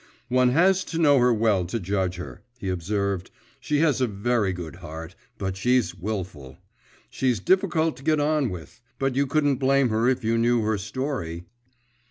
'One has to know her well to judge of her,' he observed; 'she has a very good heart, but she's wilful. She's difficult to get on with. But you couldn't blame her if you knew her story.